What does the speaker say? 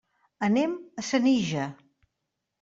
Anem a Senija.